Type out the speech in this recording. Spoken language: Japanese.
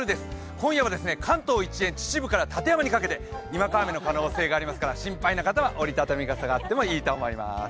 今夜は関東一円、秩父から館山にかけて、にわか雨の可能性がありますから心配な方は折り畳み傘があってもいいと思います。